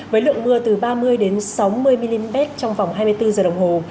với lượng mưa từ ba mươi sáu mươi mm trong vòng hai mươi bốn giờ đồng hồ